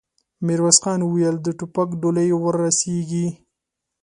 ميرويس خان وويل: د ټوپک ډولۍ ور رسېږي؟